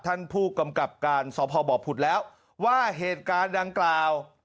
ท่านผู้กำกับการสพบผุดแล้วว่าเหตุการณ์ดังกล่าว